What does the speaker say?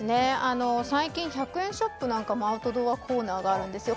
最近１００円ショップなんかもアウトドアコーナーがあるんですよ。